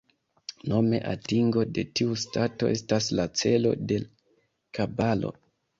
Nome atingo de tiu stato estas la celo de Kabalo.